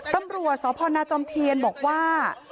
ตำรวจสพนาจอมเทียนบอกว่า